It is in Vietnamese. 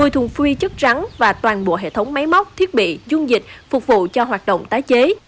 một mươi thùng phi chất rắn và toàn bộ hệ thống máy móc thiết bị dung dịch phục vụ cho hoạt động tái chế